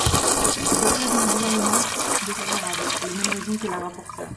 Quel est l’avis du Gouvernement ? Défavorable, pour les mêmes raisons que la rapporteure.